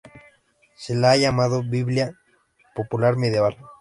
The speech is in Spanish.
Se la ha llamado "Biblia popular medieval".